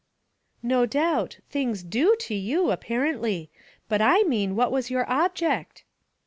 ''No doubt. Things do to you, apparently. But /mean what was your object?"